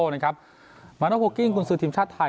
นะครับมันนกวิคกี้คุณศูนย์ทีมชาติไทย